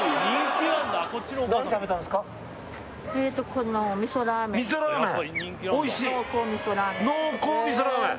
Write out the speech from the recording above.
この味噌ラーメン！？